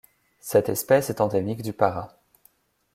Cette espèce est endémique du Pará.